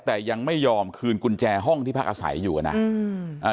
แต่ยังไม่ยอมคืนกุญแจห้องที่พักอาศัยอยู่กันนะ